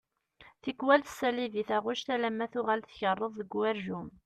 Tikwal tessalay di taɣect alamma tuɣal tkeṛṛeḍ deg ugerjum.